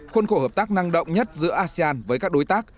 khuôn khổ hợp tác năng động nhất giữa asean với các đối tác